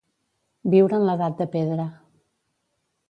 Viure en l'edat de pedra.